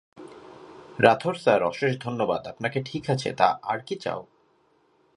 Rathore sir অশেষ ধন্যবাদ আপনাকে ঠিক আছে তা আর কী চাও?